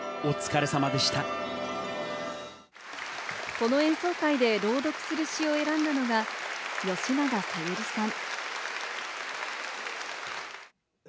この演奏会で朗読する詩を選んだのが吉永小百合さん。